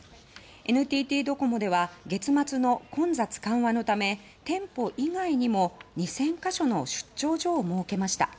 ＮＴＴドコモでは月末の混雑緩和のため店舗以外にも２０００か所の出張所を設けました。